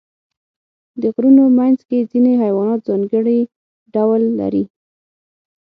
د غرونو منځ کې ځینې حیوانات ځانګړي ډول لري.